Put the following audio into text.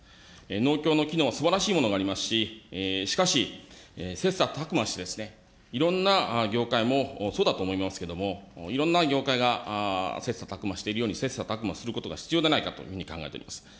農協の機能、すばらしいものがありますし、しかし、切さたく磨して、いろんな業界もそうだと思いますけれども、いろんな業界が切さたく磨しているように、切さたく磨することが必要でないかというふうに考えております。